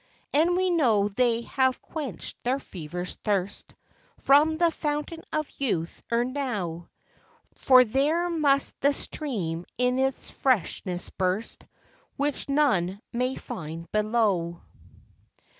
And we know they have quenched their fever's thirst, From the Fountain of Youth ere now; For there must the stream in its freshness burst, Which none may find below.